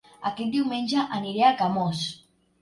Aquest diumenge aniré a Camós